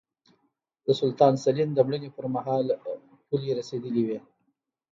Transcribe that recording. د سلطان سلین د مړینې پرمهال پولې رسېدلې وې.